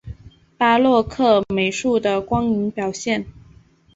巴洛克美术的光影表现